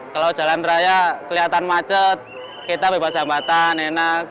kalau jalan raya kelihatan macet kita bebas hambatan enak